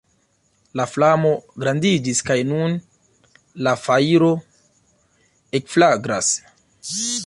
La flamo grandiĝis kaj nun la fajro ekflagras.